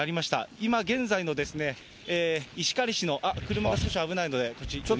今現在の石狩市の、あっ、車が少し危ないので、こっちちょっと。